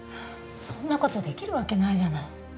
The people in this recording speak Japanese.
そんな事できるわけないじゃない。